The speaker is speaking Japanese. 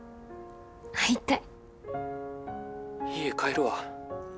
家帰るわ。